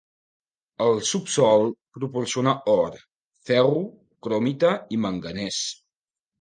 El subsòl proporciona or, ferro, cromita i manganès.